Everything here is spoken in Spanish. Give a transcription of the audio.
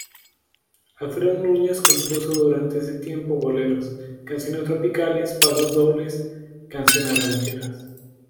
Alfredo Núñez compuso durante ese tiempo boleros, canciones tropicales, pasos dobles, canciones rancheras.